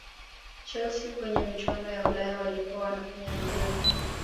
Chelsea kwenye michuano ya Ulaya walikuwa wanafanya vizuri